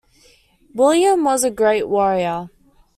William was a great warrior.